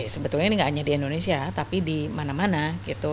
sebetulnya ini nggak hanya di indonesia tapi di mana mana gitu